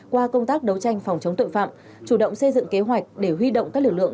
qua công tác đấu tranh phòng chống tội phạm chủ động xây dựng kế hoạch để huy động các lực lượng